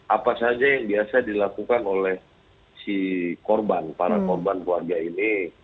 apa saja yang biasa dilakukan oleh si korban para korban keluarga ini